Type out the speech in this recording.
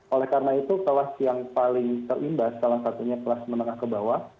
oleh karena itu kelas yang paling terimbas salah satunya kelas menengah ke bawah